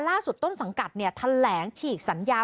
ล่าสุดต้นสังกัดเนี่ยทะแหลงฉีกสัญญา